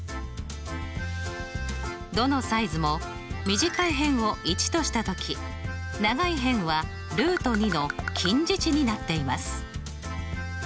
どのサイズも短い辺を１とした時長い辺はの近似値になっています。